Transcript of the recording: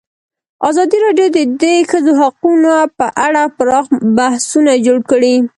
ازادي راډیو د د ښځو حقونه په اړه پراخ بحثونه جوړ کړي.